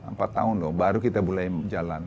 empat tahun loh baru kita mulai jalan